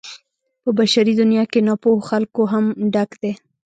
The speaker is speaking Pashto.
په بشري دنيا کې ناپوهو خلکو هم ډک دی.